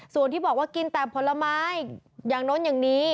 ส่วนที่บอกว่ากินแต่ผลไม้อย่างโน้นอย่างนี้